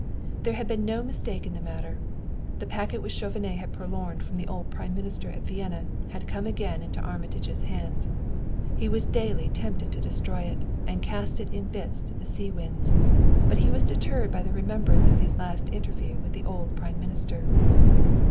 There had been no mistake in the matter; the packet which Chauvenet had purloined from the old prime minister at Vienna had come again into Armitage's hands. He was daily tempted to destroy it and cast it in bits to the sea winds; but he was deterred by the remembrance of his last interview with the old prime minister.